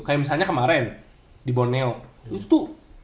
kayak misalnya kemarin di borneo itu tuh